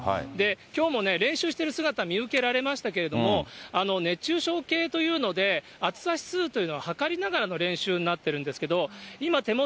きょうも練習している姿、見受けられましたけれども、熱中症計というので暑さ指数というのを測りながらの練習になってるんですけど、今、手元